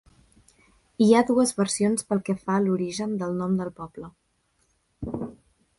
Hi ha dues versions pel que fa a l'origen del nom del poble.